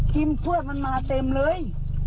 กิมเพื่อนมันมาเต็มเลย